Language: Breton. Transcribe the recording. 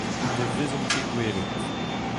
Ne vezont ket gwelet.